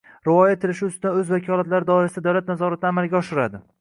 rioya etilishi ustidan o‘z vakolatlari doirasida davlat nazoratini amalga oshiradi;